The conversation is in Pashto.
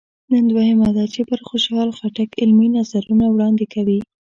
نن دوهمه ده چې پر خوشحال خټک علمي نظرونه وړاندې کوي.